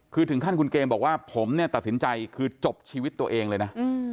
คือถึงขั้นคุณเกมบอกว่าผมเนี่ยตัดสินใจคือจบชีวิตตัวเองเลยนะ